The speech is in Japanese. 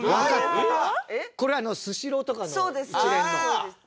これはスシローとかの一連の。